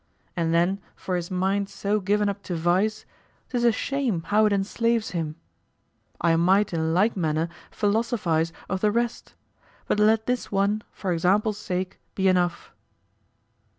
And then for his mind so given up to vice, 'tis a shame how it enslaves him. I might in like manner philosophize of the rest; but let this one, for example's sake, be enough.